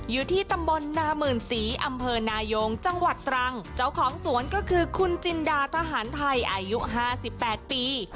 อยู่ที่ตำบลนามื่นศรีอำเภอนายงจังหวัดตรังเจ้าของสวนก็คือคุณจินดาทหารไทยอายุห้าสิบแปดปี